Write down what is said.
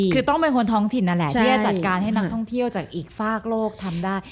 คือต้องเป็นคนท้องถิ่นนั่นแหละที่จะจัดการให้นักท่องเที่ยวจากอีกฝากโลกทำได้